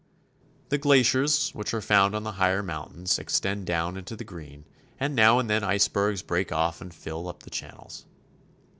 The glaciers which are found on the higher mountains extend down into the green, and now and then icebergs break off and fill up the channels.